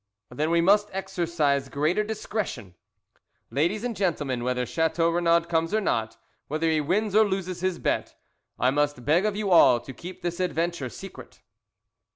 "Then we must exercise greater discretion. Ladies and gentlemen, whether Chateau Renaud comes or not whether he wins or loses his bet, I must beg of you all to keep this adventure secret."